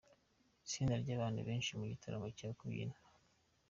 Itsinda ryabantu benshi mu gitaramo cyo kubyina